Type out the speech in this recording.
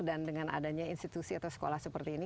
dengan adanya institusi atau sekolah seperti ini